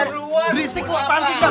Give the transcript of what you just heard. risik lu apaan sih kan